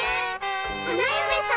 花嫁さん。